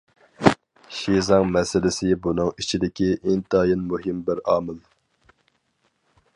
شىزاڭ مەسىلىسى بۇنىڭ ئىچىدىكى ئىنتايىن مۇھىم بىر ئامىل.